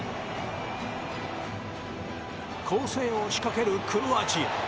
攻勢を仕掛けるクロアチア。